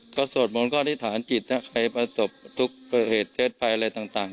ก็ส่วนหมดก็อธิษฐานจิตนะใครประสบทุกเหตุเพศภายอะไรต่าง